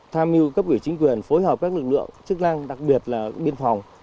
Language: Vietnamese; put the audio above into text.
tham mưu cấp ủy chính quyền phối hợp các lực lượng chức năng đặc biệt là biên phòng